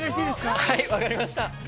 ◆はい、分かりました。